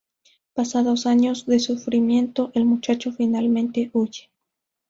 Pasados años de sufrimiento, el muchacho, finalmente, huye.